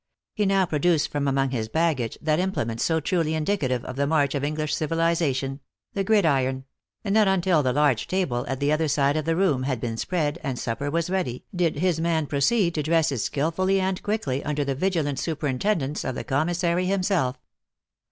He now produced from among his baggage that imple ment so truly indicative of the march of English civilization the gridiron ; and not until the large table, at the other side of the room, had been spread, and supper was ready, did his man proceed to dress it skillfully and quickly, under the vigilant superin tendance of the commissary himself.